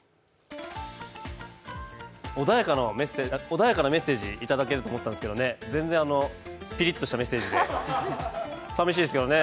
穏やかなメッセージいただけると思ったんですけどね、全然、ピリッとしたメッセージで寂しいですけどね。